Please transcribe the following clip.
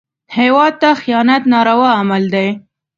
هېواد ته خیانت ناروا عمل دی